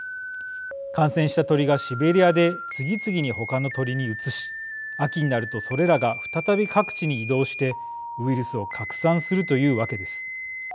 感染した鳥がシベリアで次々に他の鳥にうつし秋になると、それらが再び各地に移動してウイルスを拡散するというわけです。